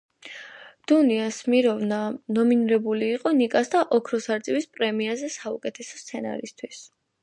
დუნია სმირნოვა ნომინირებული იყო „ნიკას“ და „ოქროს არწივის“ პრემიაზე საუკეთესო სცენარისთვის.